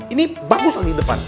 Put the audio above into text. ini bagus lagi di depan